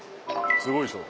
すごいでしょ。